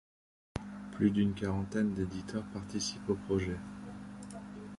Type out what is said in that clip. Plus d’une quarantaine d’éditeurs participent au projet.